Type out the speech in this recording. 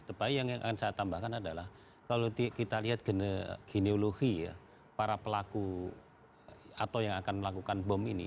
tetapi yang akan saya tambahkan adalah kalau kita lihat geneologi ya para pelaku atau yang akan melakukan bom ini